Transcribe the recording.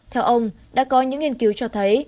theo ông đã có những nghiên cứu cho thấy